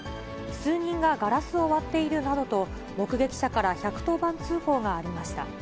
数人がガラスを割っているなどと、目撃者から１１０番通報がありました。